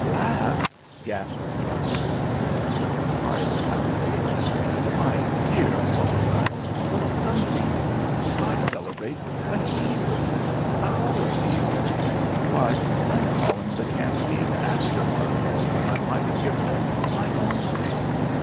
"Laugh?" gasped Rumbold, his sense of propriety outraged. "My dear Fosdike, what's come to you? I celebrate a hero. Our hero. Why, I'm calling the Canteen after Martlow when I might have given it my own name.